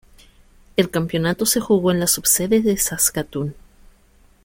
El campeonato se jugó en la subsede de Saskatoon.